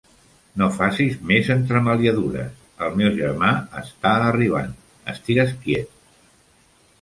No facis més entremaliadures, el meu germà està arribant: estigues quiet!